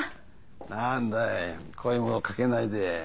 何だい声もかけないで。